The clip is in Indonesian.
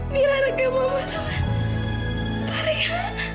mira lagi mama sama faria